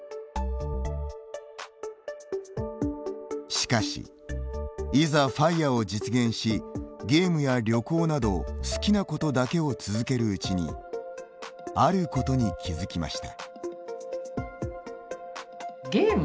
しかし、いざＦＩＲＥを実現しゲームや旅行など好きなことだけを続けるうちにあることに気付きました。